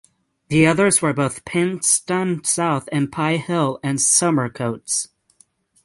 The others were both Pinxton South and Pye Hill and Somercotes.